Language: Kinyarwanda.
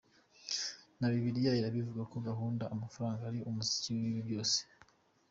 Na Bibiliya irabivuga ko gukunda amafaranga ari umuzi w’ibibi byose.